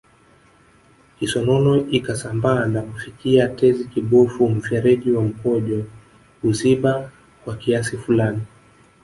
Kisonono ikisambaa na kufikia tezi kibofu mfereji wa mkojo huziba kwa kiasi fulani